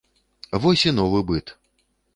Вось і новы быт!